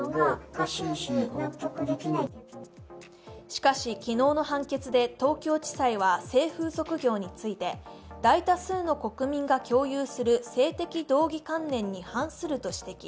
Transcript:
しかし、昨日の判決で東京地裁は性風俗業について大多数の国民が共有する性的道義観念に反すると指摘。